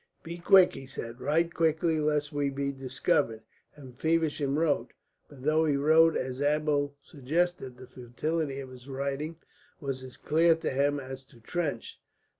"Be quick," he said. "Write quickly, lest we be discovered." And Feversham wrote; but though he wrote as Abdul suggested, the futility of his writing was as clear to him as to Trench.